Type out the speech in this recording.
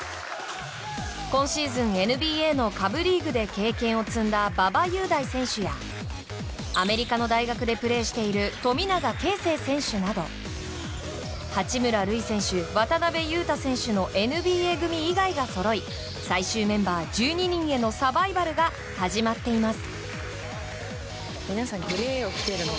今シーズン、ＮＢＡの下部リーグで経験を積んだ馬場雄大選手やアメリカの大学でプレーしている富永啓生選手など八村塁選手、渡邊雄太選手のＮＢＡ組以外がそろい最終メンバー１２人へのサバイバルが始まっています。